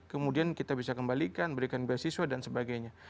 kemudian kita bisa kembalikan berikan beasiswa dan sebagainya